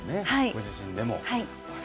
ご自身でも。